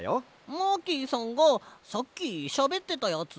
マーキーさんがさっきしゃべってたやつ？